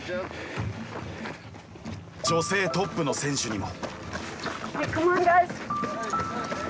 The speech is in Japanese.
女性トップの選手にも。